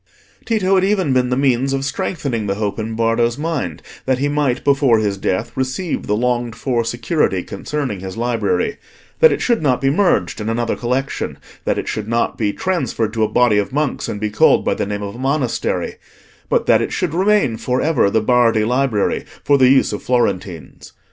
Tito had even been the means of strengthening the hope in Bardo's mind that he might before his death receive the longed for security concerning his library: that it should not be merged in another collection; that it should not be transferred to a body of monks, and be called by the name of a monastery; but that it should remain for ever the Bardi Library, for the use of Florentines.